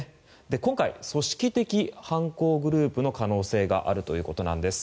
今回、組織的犯行グループの可能性があるということです。